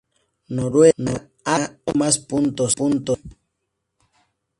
Noruega ha dado más puntos a...